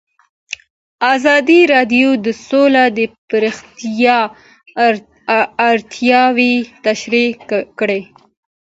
ازادي راډیو د سوله د پراختیا اړتیاوې تشریح کړي.